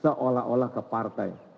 seolah olah ke partai